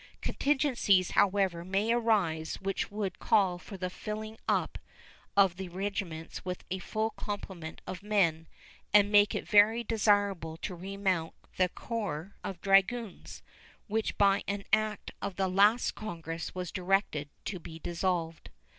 Contingencies, however, may arise which would call for the filling up of the regiments with a full complement of men and make it very desirable to remount the corps of dragoons, which by an act of the last Congress was directed to be dissolved.